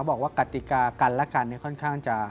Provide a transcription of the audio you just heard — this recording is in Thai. บอกว่ากติกากันและกันค่อนข้างจะ